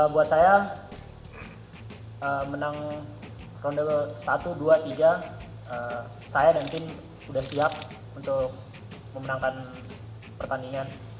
buat saya menang ronde satu dua tiga saya dan tim sudah siap untuk memenangkan pertandingan